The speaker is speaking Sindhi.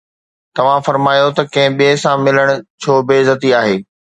توهان فرمايو ته ڪنهن ٻئي سان ملڻ ڇو بي عزتي آهي؟